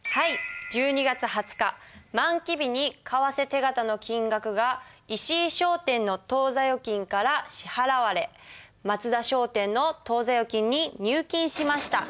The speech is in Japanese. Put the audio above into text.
１２月２０日満期日に為替手形の金額が石井商店の当座預金から支払われ松田商店の当座預金に入金しました。